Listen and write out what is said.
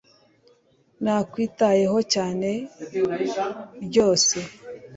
nakwitayeho cyane ryose